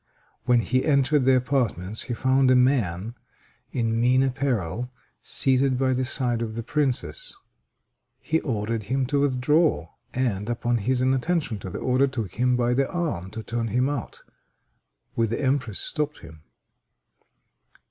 When he entered the apartments, he found a man in mean apparel seated by the side of the princess. He ordered him to withdraw, and, upon his inattention to the order, took him by the arm to turn him out, when the empress stopped him.